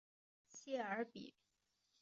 谢尔比。